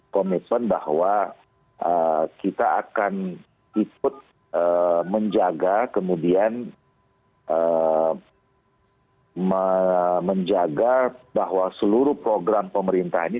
komitmen bahwa kita akan ikut menjaga kemudian menjaga bahwa seluruh program pemerintah ini